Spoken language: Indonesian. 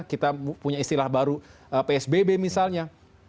ada yang mengatakan itu baru psbb misalnya